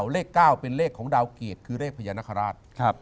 เลข๙เป็นเลขของดาวเกรดคือเลขพญานคราช